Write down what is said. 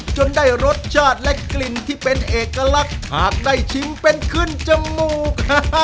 จนได้รสชาติและกลิ่นที่เป็นเอกลักษณ์หากได้ชิมเป็นขึ้นจมูก